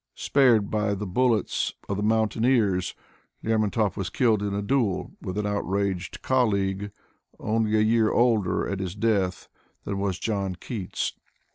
Spared by the bullets of the mountaineers, Lermontov was killed in a duel with an outraged colleague, only a year older at his death than was John Keats.